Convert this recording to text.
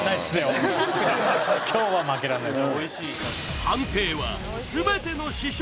今日は負けられないです